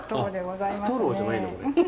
あっストローじゃないんだこれ。